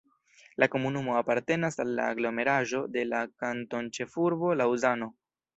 La komunumo apartenas al la aglomeraĵo de la kantonĉefurbo Laŭzano.